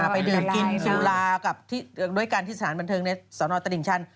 ไปดื่มกินสุรากับด้วยกันที่สถานบันเทิงในสนตลิ่งชัน